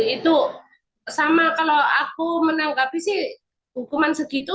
itu sama kalau aku menanggapi sih hukuman segitu